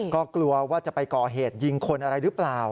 ก็กลัวว่าจะไปก่อเหตุยิงคนอะไรหรือเปล่า